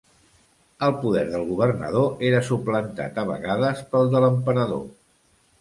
El poder del governador era suplantat a vegades pel de l'Emperador.